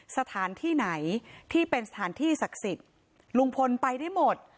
สถานที่ไหนที่เป็นสถานที่ศักดิ์สิทธิ์ลุงพลไปได้หมด